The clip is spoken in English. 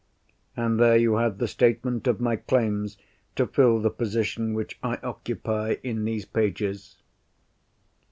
And there you have the statement of my claims to fill the position which I occupy in these pages.